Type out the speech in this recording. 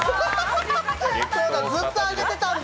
ずっと上げてたんだ。